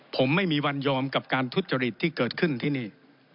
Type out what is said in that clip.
ผมไม่มีวันยอมกับการทุจริตที่เกิดขึ้นที่นี่